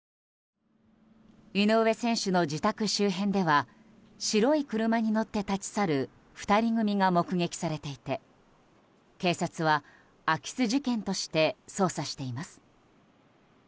井上選手の自宅周辺では白い車に乗って立ち去る２人組が目撃されていて警察は空き巣事件として捜査しています。